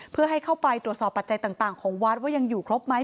เพื่อให้เข้าไปตรวจสอบปัจจัยต่างของวัดว่ายังอยู่ครบไหม